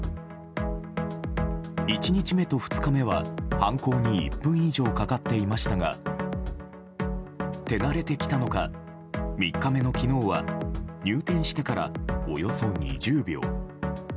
１日目と２日目は犯行に１分以上かかっていましたが手慣れてきたのか３日目の昨日は入店してからおよそ２０秒。